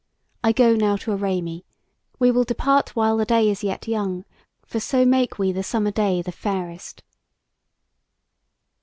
I go now to array me; we will depart while the day is yet young; for so make we the summer day the fairest."